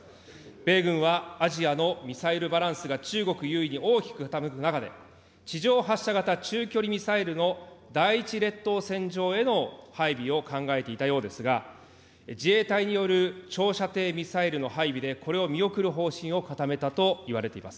米軍はアジアのミサイルバランスが中国優位に大きく傾く中で、地上発射型中距離ミサイルの第１列島線上への配備を考えていたようですが、自衛隊による長射程ミサイルの配備でこれを見送る方針を固めたといわれています。